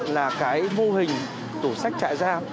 là mô hình tủ sách trại giam